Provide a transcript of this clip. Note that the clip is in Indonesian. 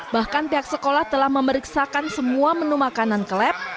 bahkan pihak sekolah telah memeriksakan semua menu makanan ke lab